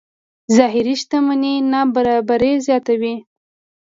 ظاهري شتمنۍ نابرابرۍ زیاتوي.